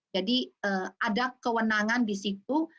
jadi ada kewenangan di situ